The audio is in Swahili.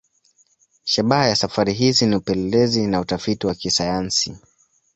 Shabaha ya safari hizi ni upelelezi na utafiti wa kisayansi.